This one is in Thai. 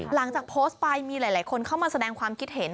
หลังจากโพสต์ไปมีหลายคนเข้ามาแสดงความคิดเห็น